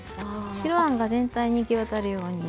白あんが全体に行き渡るように。